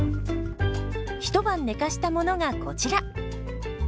一晩寝かしたものがこちら。